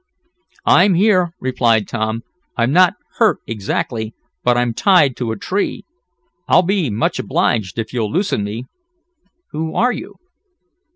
"I'm here," replied Tom. "I'm not hurt exactly, but I'm tied to a tree. I'll be much obliged if you'll loosen me." "Who are you?"